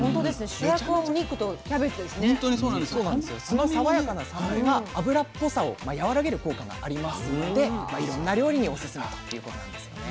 酢のさわやかな酸味が脂っぽさをやわらげる効果がありますのでいろんな料理におすすめということなんですよね。